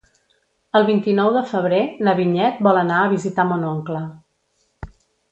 El vint-i-nou de febrer na Vinyet vol anar a visitar mon oncle.